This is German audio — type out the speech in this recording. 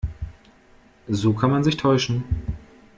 So kann man sich täuschen.